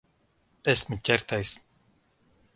Esmu ķertais.